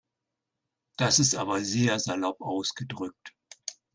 Das ist aber sehr salopp ausgedrückt.